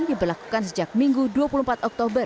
diberlakukan sejak minggu dua puluh empat oktober